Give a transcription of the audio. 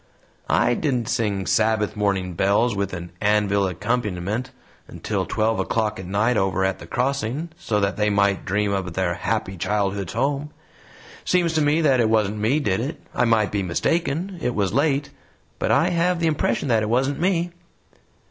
I didn't sing 'Sabbath Morning Bells' with an anvil accompaniment until twelve o'clock at night over at the Crossing, so that they might dream of their Happy Childhood's Home. It seems to me that it wasn't me did it. I might be mistaken it was late but I have the impression that it wasn't me."